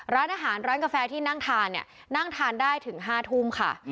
ร้านอาหารร้านกาแฟที่นั่งทานเนี่ยนั่งทานได้ถึง๕ทุ่มค่ะ